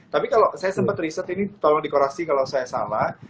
tapi kalau saya sempat riset ini tolong dekorasi kalau saya salah